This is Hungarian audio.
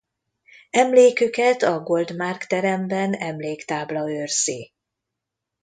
Emléküket a Goldmark-teremben emléktábla őrzi.